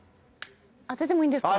当ててもいいんですか？